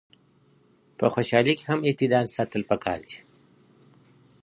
په خوشحالۍ کي هم اعتدال ساتل پکار دي.